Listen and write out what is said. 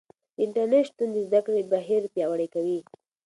د انټرنیټ شتون د زده کړې بهیر پیاوړی کوي.